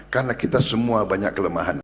karena kita semua banyak kelemahan